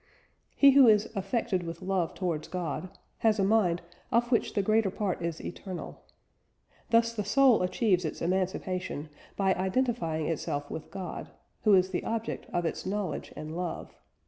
He who is "affected with love towards God" has a mind "of which the greater part is eternal." Thus the soul achieves its emancipation by identifying itself with God who is the object of its knowledge and love.